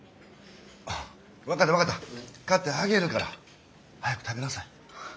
分かった分かった買ってあげるから。早く食べなさい。